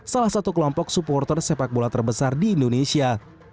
salah satu kelompok supporter sepak bola terbesar di indonesia